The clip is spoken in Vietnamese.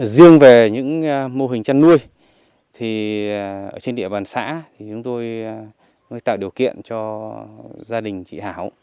riêng về những mô hình chăn nuôi ở trên địa bàn xã thì chúng tôi mới tạo điều kiện cho gia đình chị hảo